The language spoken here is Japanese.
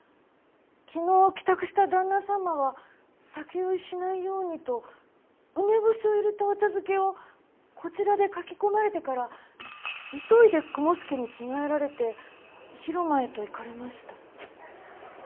昨日帰宅した旦那様は酒酔いしないようにと梅干しを入れたお茶漬けをこちらでかき込まれてから急いで雲助に着替えられて広間へと行かれました。